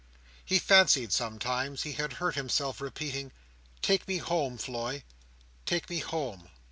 He fancied sometimes he had heard himself repeating, "Take me home, Floy! take me home!"